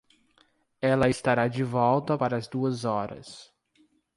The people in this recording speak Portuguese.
Ela estará de volta para as duas horas.